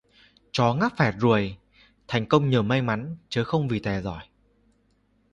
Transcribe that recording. Chó ngáp phải ruồi: thành công nhờ may mắn, chớ không vì tài giỏi